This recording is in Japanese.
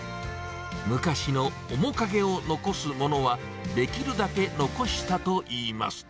昔の面影を残すものは、できるだけ残したといいます。